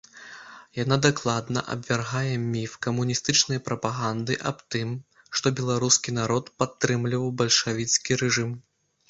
Яна дакладна абвяргае міф камуністычнай прапаганды аб тым, што беларускі народ падтрымліваў бальшавіцкі рэжым.